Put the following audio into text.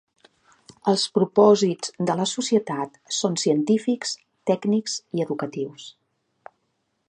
Els propòsits de la societat són científics, tècnics i educatius.